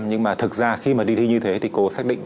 nhưng mà thực ra khi mà đi thi như thế thì cô xác định